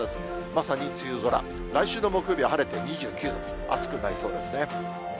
まさに梅雨空、来週の木曜日は晴れて２９度、暑くなりそうですね。